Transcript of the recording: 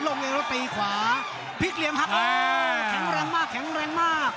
ลงเองแล้วตีขวาพลิกเหลี่ยมหักแข็งแรงมากแข็งแรงมาก